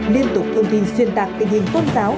liên tục thông tin xuyên tạc tình hình tôn giáo